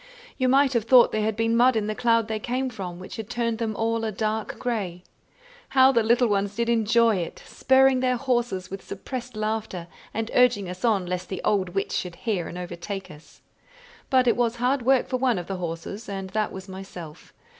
You might have thought there had been mud in the cloud they came from, which had turned them all a dark grey. How the little ones did enjoy it, spurring their horses with suppressed laughter, and urging us on lest the old witch should hear and overtake us! But it was hard work for one of the horses, and that was myself.